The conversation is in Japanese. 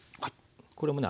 これもね